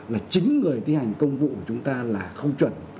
là chính người thi hành công vụ của chúng ta là không chuẩn